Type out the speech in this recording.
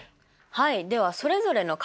はいではそれぞれの確率は？